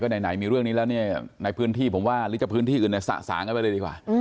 ไหนมีเรื่องนี้แล้วเนี่ยในพื้นที่ผมว่าหรือจะพื้นที่อื่นสะสางกันไปเลยดีกว่า